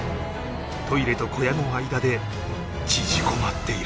トイレと小屋の間で縮こまっている